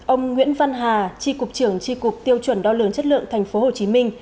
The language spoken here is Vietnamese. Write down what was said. ông nguyễn văn hà tri cục trưởng tri cục tiêu chuẩn đo lường chất lượng tp hcm